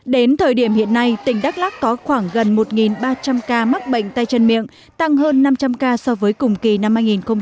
đến thời điểm hiện nay tỉnh đắk lắc có khoảng gần một ba trăm linh ca mắc bệnh tay chân miệng tăng hơn năm trăm linh ca so với cùng kỳ năm hai nghìn một mươi tám